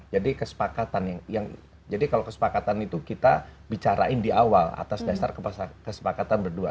jadi kesepakatan yang jadi kalau kesepakatan itu kita bicarain di awal atas dasar kesepakatan berdua